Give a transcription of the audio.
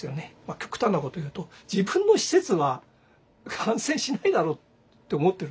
極端なことを言うと自分の施設は感染しないだろうって思ってる。